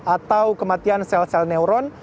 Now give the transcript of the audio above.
atau kematian sel sel neuron